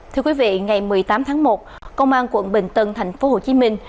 thưa quý vị ngày một mươi tám tháng một công an quận bình tân thành phố hồ chí minh